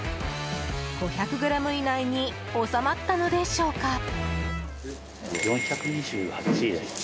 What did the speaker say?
５００ｇ以内に収まったのでしょうか。